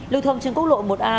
lưu thông trên quốc lộ một a